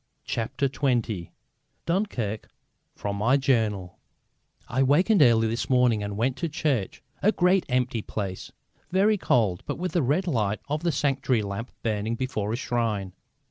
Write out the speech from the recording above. CHAPTER XX DUNKIRK: FROM MY JOURNAL I wakened early this morning and went to church a great empty place, very cold but with the red light of the sanctuary lamp burning before a shrine.